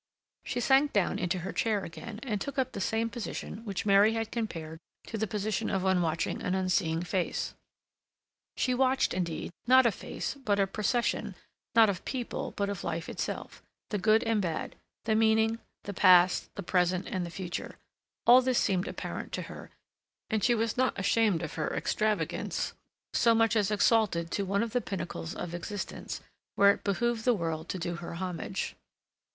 She sank down into her chair again, and took up the same position which Mary had compared to the position of one watching an unseeing face. She watched, indeed, not a face, but a procession, not of people, but of life itself: the good and bad; the meaning; the past, the present, and the future. All this seemed apparent to her, and she was not ashamed of her extravagance so much as exalted to one of the pinnacles of existence, where it behoved the world to do her homage.